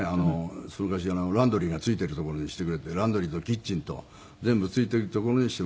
そのかわりランドリーが付いてる所にしてくれってランドリーとキッチンと全部付いてる所にしてもらって。